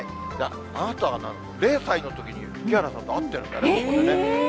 なんと０歳のときに木原さんと会ってるんだよね、ここでね？